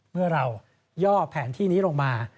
เมื่อเราย่อแผนที่นี้ลงมา